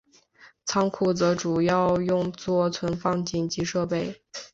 仓库则主要用作存放紧急设备。